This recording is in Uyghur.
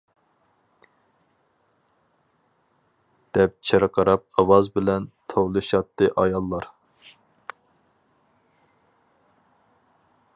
دەپ چىرقىراق ئاۋاز بىلەن توۋلىشاتتى ئاياللار.